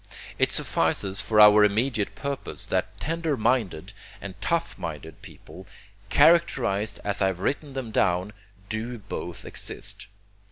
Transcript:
It suffices for our immediate purpose that tender minded and tough minded people, characterized as I have written them down, do both exist.